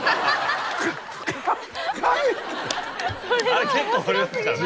あれ結構掘りますからね。